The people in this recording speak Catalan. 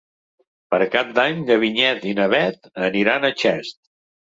Per Cap d'Any na Vinyet i na Bet aniran a Xest.